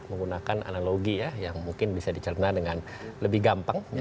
menggunakan analogi ya yang mungkin bisa dicerna dengan lebih gampang